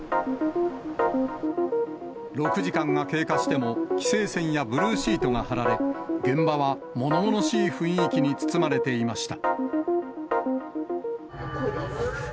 ６時間が経過しても、規制線やブルーシートが張られ、現場はものものしい雰囲気に包まれていました。